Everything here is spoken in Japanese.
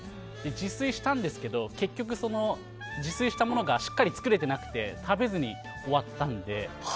自炊したんですけど結局、自炊したものがしっかり作れていなくて食べずに終わったので。